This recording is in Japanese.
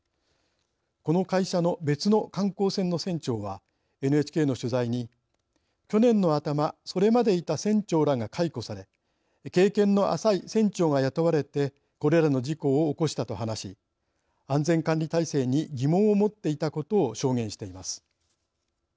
この会社の別の観光船の船長はＮＨＫの取材に「去年の頭それまでいた船長らが解雇され経験の浅い船長が雇われてこれらの事故を起こしたと話し安全管理体制に疑問を持っていたことを証言しています。